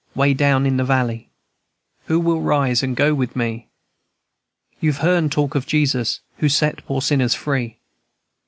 Way down in de valley, Who will rise and go with me? You've heern talk of Jesus, Who set poor sinners free.